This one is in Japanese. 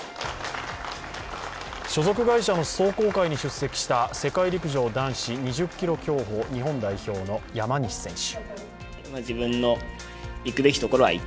所属会社の壮行会に出席した世界陸上男子２０ｋｍ競歩日本代表の山西選手。